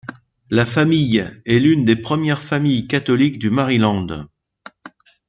La famille est l'une des premières familles catholiques du Maryland.